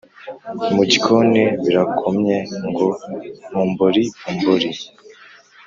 mugikoni birakomye ngo bombori bombori,